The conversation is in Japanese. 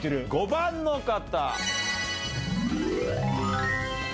５番の方。